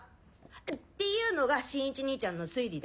っていうのが新一兄ちゃんの推理だよ。